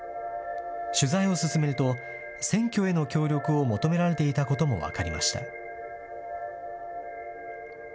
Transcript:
取材を進めると、選挙への協力を求められていたことも分かりました。